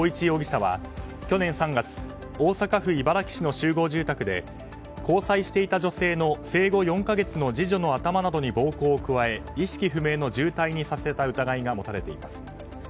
容疑者は去年３月大阪府茨木市の集合住宅で交際していた女性の生後４か月の次女の頭などに暴行を加え意識不明の重体にさせた疑いが持たれています。